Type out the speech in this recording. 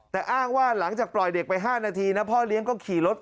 แต่อ้างว่าหลังจากปล่อยเด็กไป๕นาทีพ่อเลี้ยงก็ขี่รถปล่อยในด้วย